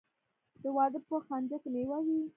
د واده په خنچه کې میوه وي.